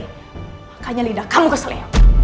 makanya lidah kamu keselih